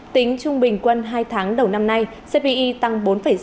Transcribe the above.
tính trung bình quân hai tháng đầu năm nay cpi tăng bốn sáu